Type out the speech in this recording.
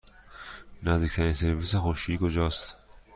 نزدیکترین سرویس خشکشویی کجاست؟